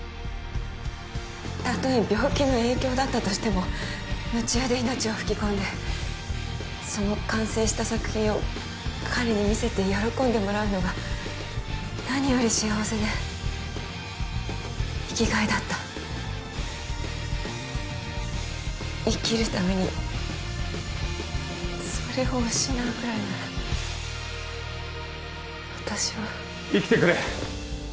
たとえ病気の影響だったとしても夢中で命を吹き込んでその完成した作品を彼に見せて喜んでもらうのが何より幸せで生きがいだった生きるためにそれを失うぐらいなら私は生きてくれ！